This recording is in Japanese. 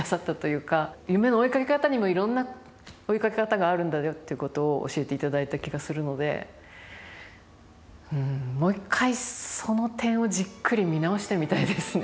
夢の追いかけ方にもいろんな追いかけ方があるんだよっていうことを教えていただいた気がするのでうんもう一回その点をじっくり見直してみたいですね